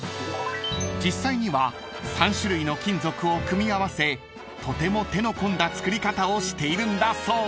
［実際には３種類の金属を組み合わせとても手の込んだ造り方をしているんだそう］